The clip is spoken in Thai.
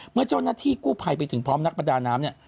เมื่อเจ้านักที่กู้ไพรไปถึงพร้อมนักประดาน้ำ